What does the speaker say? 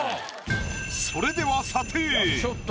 それでは査定。